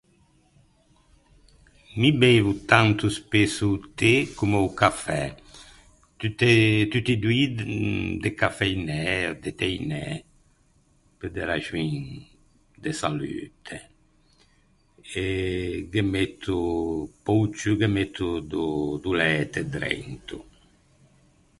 Mi beivo tanto spesso o té comme o cafè, tutte tutti doî d- decaffeinæ, deteinæ, pe de raxoin de salute. E ghe metto pe-o ciù ghe metto do do læte drento.